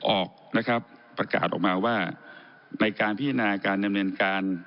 ออกนะครับประกาศออกมาว่าในการพิจารณาการดำเนินการ